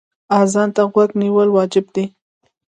اذان ته غوږ نیول واجب دی.